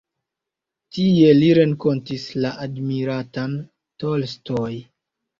Tie li renkontis la admiratan Tolstoj.